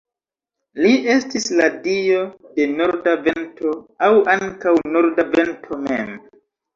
Li estis la dio de norda vento aŭ ankaŭ norda vento mem.